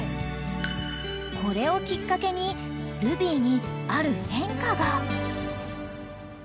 ［これをきっかけにルビーにある変化が］